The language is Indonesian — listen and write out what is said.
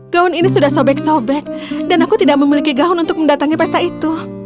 gaun ini sudah sobek sobek dan aku tidak memiliki gaun untuk mendatangi pesta itu